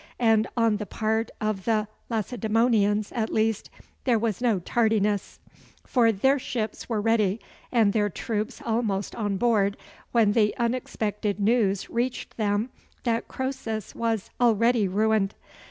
And on the part of the Lacedæmonians, at least, there was no tardiness; for their ships were ready and their troops almost on board, when the unexpected news reached them that Croesus was already ruined.